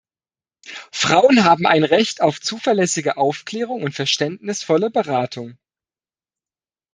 Frauen haben ein Recht auf zuverlässige Aufklärung und verständnisvolle Beratung.